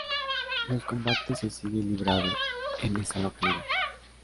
Los combates se sigue librado en esta localidad.